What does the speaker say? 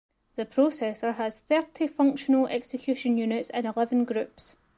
The processor has thirty functional execution units in eleven groups.